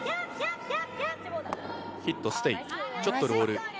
ヒット、ステイ、ちょっとロール。